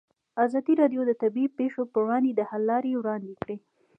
ازادي راډیو د طبیعي پېښې پر وړاندې د حل لارې وړاندې کړي.